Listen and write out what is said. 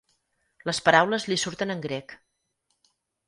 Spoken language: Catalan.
Les paraules li surten en grec.